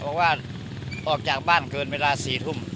ทำไมเขาติดจัดเขาบอกไงทั่วพ่อเลยเขาติดจัด